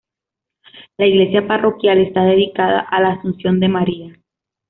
La iglesia parroquial está dedicada a la Asunción de María.